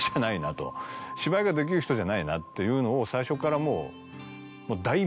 芝居ができる人じゃないなっていうのを最初からもう。